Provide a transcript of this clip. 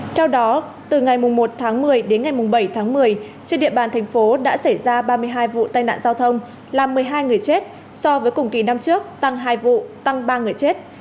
theo đó từ ngày một tháng một mươi đến ngày bảy tháng một mươi trên địa bàn thành phố đã xảy ra ba mươi hai vụ tai nạn giao thông làm một mươi hai người chết so với cùng kỳ năm trước tăng hai vụ tăng ba người chết